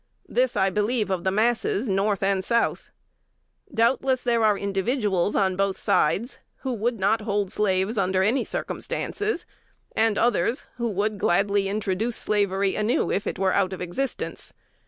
This I believe of the masses North and South. Doubtless there are individuals on both sides who would not hold slaves under any circumstances, and others would gladly introduce slavery anew if it were out of existence.